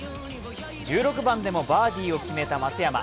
１６番でもバーディーを決めた松山。